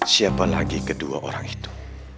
siapa lagi kedua orang itu